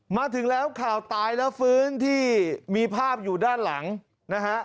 มาถึงแล้วข่าวตายแล้วฟื้นที่มีภาพอยู่ด้านหลังนะฮะ